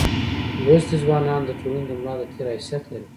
لوستي ځوانان دټولني دملا دتیر حیثیت لري.